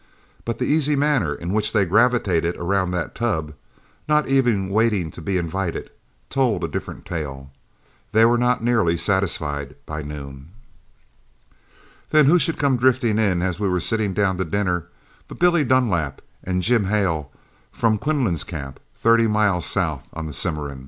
But the easy manner in which they gravitated around that tub not even waiting to be invited told a different tale. They were not nearly satisfied by noon. "Then who should come drifting in as we were sitting down to dinner, but Billy Dunlap and Jim Hale from Quinlin's camp, thirty miles south on the Cimarron.